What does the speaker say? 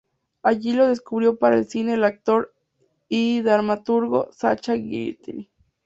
Allí lo descubrió para el cine el actor y dramaturgo Sacha Guitry.